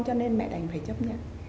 cho nên mẹ đành phải chấp nhận